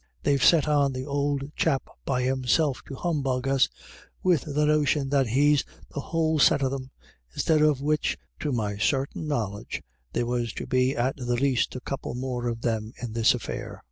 They've sent on the ould chap by himself to humbug us with the notion that he's the whole set of them ; instead of which, to my sartin' knowledge there was to be at the least a couple more of them in this affair.